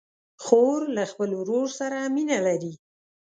خور له خپل ورور سره مینه لري.